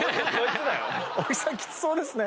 小木さんきつそうですね。